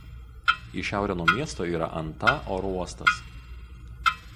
Į šiaurę nuo miesto yra "Anta" oro uostas.